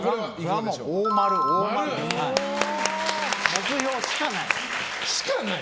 目標しかない。